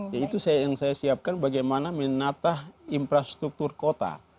ya itu yang saya siapkan bagaimana menatah infrastruktur kota